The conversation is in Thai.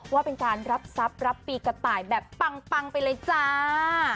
ว่าเป็นการรับทรัพย์รับปีกระต่ายแบบปังไปเลยจ้า